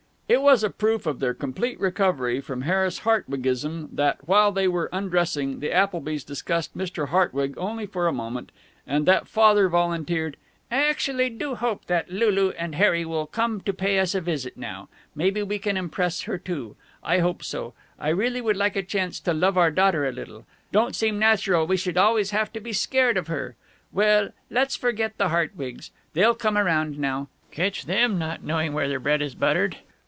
It was a proof of their complete recovery from Harris Hartwigism that, while they were undressing, the Applebys discussed Mr. Hartwig only for a moment, and that Father volunteered: "I actually do hope that Lulu and Harry will come to pay us a visit now. Maybe we can impress her, too. I hope so. I really would like a chance to love our daughter a little. Don't seem natural we should always have to be scared of her. Well, let's forget the Hartwigs. They'll come around now. Catch them not knowing where their bread is buttered.